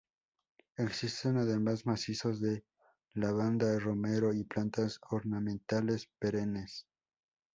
Existen además macizos de lavanda, romero y plantas ornamentales perennes.